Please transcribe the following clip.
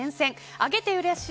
あげてうれしい！